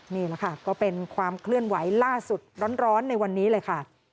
นี่แหละค่ะก็เป็นความเคลื่อนไหวล่าสุดร้อนในวันนี้เลยค่ะ